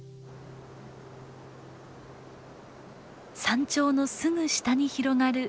山頂のすぐ下に広がる藪